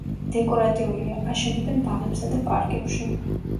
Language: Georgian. დეკორატიულია, აშენებენ ბაღებსა და პარკებში.